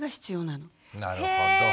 なるほど。